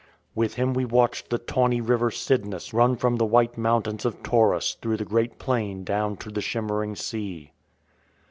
With him we watched the tawny river Cydnus run from the white mountains of Taurus through the great plain down to the shimmering sea.